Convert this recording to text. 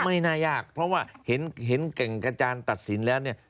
ไม่น่ายากเพราะว่าเห็นแก่งกระจานตัดสินแล้วเนี่ย